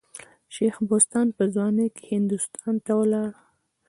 شېخ بستان په ځوانۍ کښي هندوستان ته ولاړ.